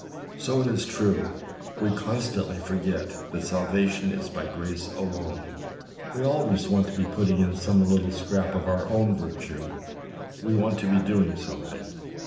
So it is true : we constantly forget that salvation is by grace alone. "We always want to be putting in some little scrap of our own virtue ; we want to be doing something.